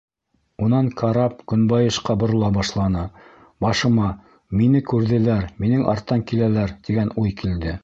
Унан карап көнбайышҡа борола башланы, башыма «мине күрҙеләр, минең арттан киләләр» тигән уй килде.